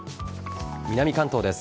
南関東です。